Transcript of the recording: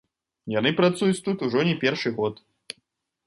Яны працуюць тут ужо не першы год.